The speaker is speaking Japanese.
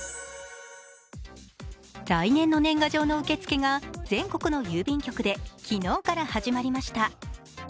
来年の年賀状の受け付けが全国の郵便局で昨日から始まりました。